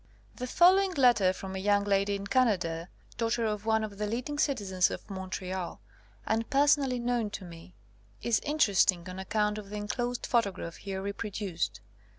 The following letter from a young lady in 159 THE COMING OF THE FAIRIES Canada, daughter of one of the leading citi zens of Montreal, and personally known to me, is interesting on account of the enclosed photograph here reproduced.